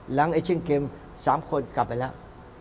เอเชียนเกม๓คนกลับไปแล้ว